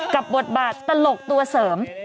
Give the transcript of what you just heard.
บทบาทตลกตัวเสริม